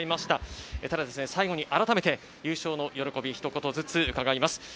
ただ最後にあらためて優勝の喜び、ひと言ずつ伺います。